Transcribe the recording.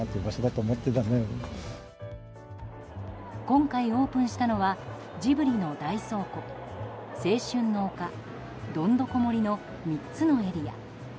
今回オープンしたのはジブリの大倉庫、青春の丘どんどこ森の３つのエリア。